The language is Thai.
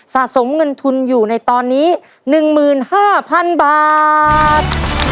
สะสมเงินทุนอยู่ในตอนนี้๑๕๐๐๐บาท